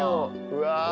うわ。